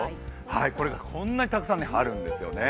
これがこんなにたくさんあるんですよね。